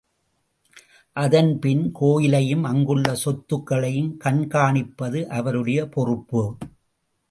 அதன் பின் கோயிலையும் அங்குள்ள சொத்துகளையும் கண்காணிப்பது அவருடைய பொறுப்பு.